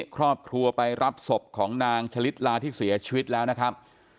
ครอบครัวไปรับศพของนางชะลิดลาที่เสียชีวิตแล้วนะครับ